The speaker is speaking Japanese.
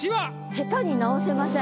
下手に直せません。